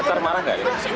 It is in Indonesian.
pacar marah gak ya